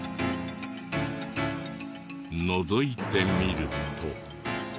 のぞいてみると。